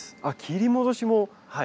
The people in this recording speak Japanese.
あっ切り戻しも。